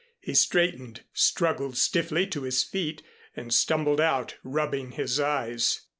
He straightened, struggled stiffly to his feet and stumbled out, rubbing his eyes.